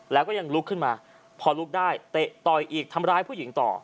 แล้วก็ยังลุกขึ้นมาพอลุกได้เตะต่อยอีกทำร้ายผู้หญิงต่อ